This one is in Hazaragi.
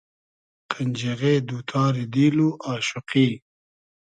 قئنجیغې دو تاری دیل و آشوقی